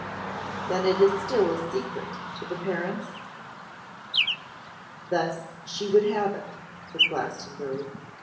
'Then it is still a secret to the parents?' 'Thus she would have it,' said Glastonbury.